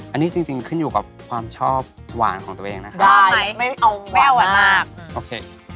อันนี้จริงขึ้นอยู่กับความชอบหวานของตัวเองนะครับได้ไม่เอาหวานมาก